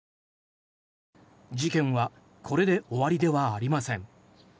事件はこれで終わりではありません。